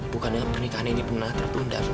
bukannya pernikahan ini pernah terbunda